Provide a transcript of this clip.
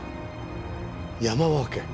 山分け。